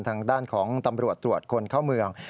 ทางด้านของตำรวจตรวจคนเข้าเมือง